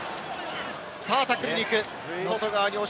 さぁタックルに行く。